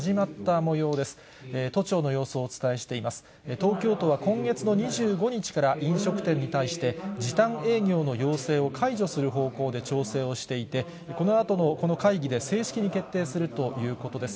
東京都は今月の２５日から飲食店に対して、時短営業の要請を解除する方向で調整をしていて、このあとのこの会議で正式に決定するということです。